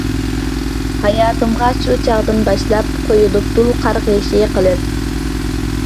ھاياتىمغا شۇ چاغدىن باشلاپ، قويۇلۇپتۇ قارغىشى قېلىپ.